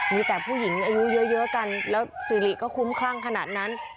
มีแต่ผู้หญิงอายุเยอะกันแล้วสิริก็คุ้มคลั่งขนาดนั้น